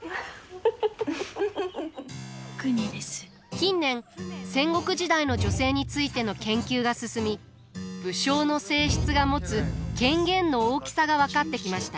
近年戦国時代の女性についての研究が進み武将の正室が持つ権限の大きさが分かってきました。